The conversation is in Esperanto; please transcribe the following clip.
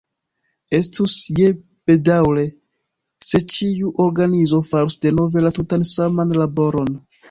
Estus ja bedaŭre, se ĉiu organizo farus denove la tutan saman laboron.